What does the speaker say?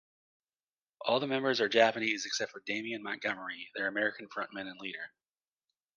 All the members are Japanese except for Damian Montgomery, their American frontman and leader.